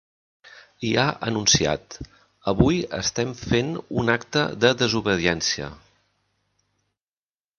I ha anunciat: Avui estem fent un acte de desobediència.